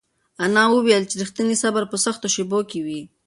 انا وویل چې رښتینی صبر په سختو شېبو کې وي.